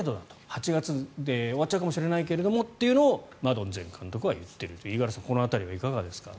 ８月で終わっちゃうかもしれないけれどもというのをマドン前監督は言っているという五十嵐さん、この辺りはいかがですか？